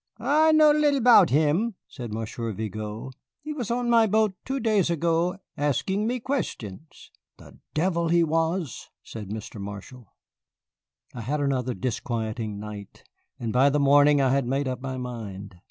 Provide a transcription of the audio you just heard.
"Ah, I know a lil 'bout him," said Monsieur Vigo; "he was on my boat two days ago, asking me questions." "The devil he was!" said Mr. Marshall. I had another disquieting night, and by the morning I had made up my mind.